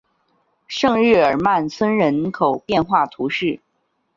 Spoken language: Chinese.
圣日耳曼村人口变化图示